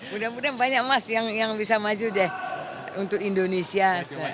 mudah mudahan banyak mas yang bisa maju deh untuk indonesia